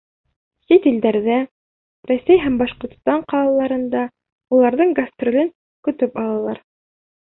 Сит илдәрҙә, Рәсәй һәм Башҡортостан ҡалаларында уларҙың гастролен көтөп алалар.